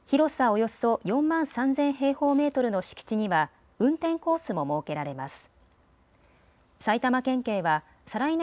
およそ４万３０００平方メートルの敷地には運転コースも設けられます。